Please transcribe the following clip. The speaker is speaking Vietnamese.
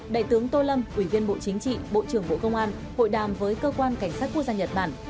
đại tướng tô lâm ủy viên bộ chính trị bộ trưởng bộ công an hội đàm với cơ quan cảnh sát quốc gia nhật bản